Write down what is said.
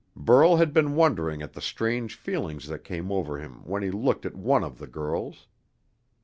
Burl had been wondering at the strange feelings that came over him when he looked at one of the girls.